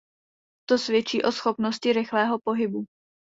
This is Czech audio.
To svědčí o schopnosti rychlého pohybu.